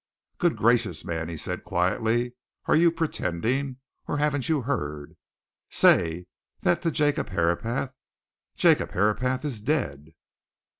"Good gracious, man!" he said quietly. "Are you pretending? Or haven't you heard? Say that to Jacob Herapath? Jacob Herapath is dead!"